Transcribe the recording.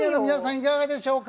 いかがでしょうか？